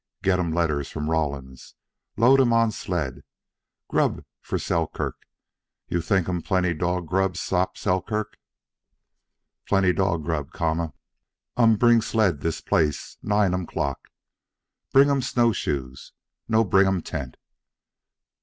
"Get um letters from Rawlins. Load um on sled. Grub for Selkirk you think um plenty dog grub stop Selkirk?" "Plenty dog grub, Kama." "Um, bring sled this place nine um clock. Bring um snowshoes. No bring um tent.